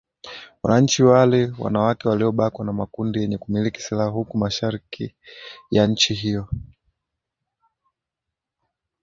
wananchi wale wanawake waliobakwa na makundi yenye kumiliki silaha huku mashariki ya nchi hiyo